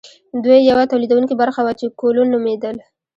دوی یوه تولیدونکې برخه وه چې کولون نومیدل.